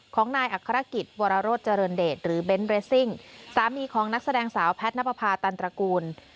ของนายอัครกิจวรโรธเจริญเดชหรือเบนทเรสซิ่งสามีของนักแสดงสาวแพทย์นับประพาตันตระกูล